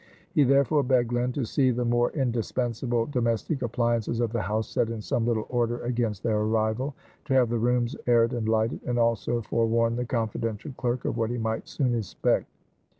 He therefore begged Glen to see the more indispensable domestic appliances of the house set in some little order against their arrival; to have the rooms aired and lighted; and also forewarn the confidential clerk of what he might soon expect.